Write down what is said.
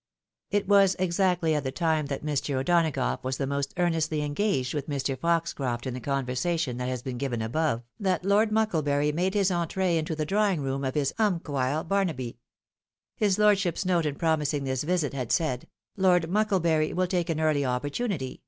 It was exactly at the time that Mr. O'Donagough was the most earnestly engaged with Mr. Foxcroft in the conversation that has been given above, that Lord Mucklebury made his entree into the drawing room of his umquhile Barnaby. His lordship's note in promising this visit, had said, " Lord Muckle bury will take an early opportunity."